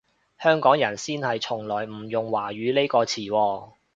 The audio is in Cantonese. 香港人先係從來唔用華語呢個詞喎